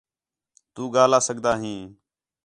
تُو ڳاہلا سڳدا ہیں